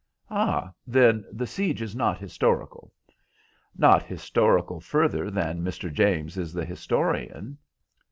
"Ah, then the siege is not historical?" "Not historical further than Mr. James is the historian."